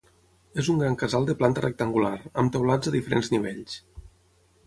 És un gran casal de planta rectangular, amb teulats a diferents nivells.